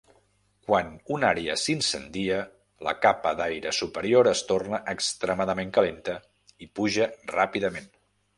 Quan una àrea s'incendia, la capa d'aire superior es torna extremadament calenta i puja ràpidament.